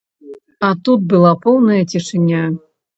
А тут была поўная цішыня.